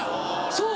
そう。